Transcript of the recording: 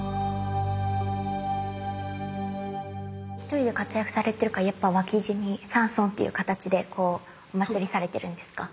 １人で活躍されてるからやっぱ脇侍に三尊っていう形でおまつりされてるんですか？